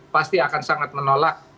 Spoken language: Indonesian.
pasti akan sangat menolak